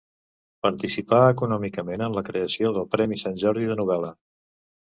Participà econòmicament en la creació del Premi Sant Jordi de novel·la.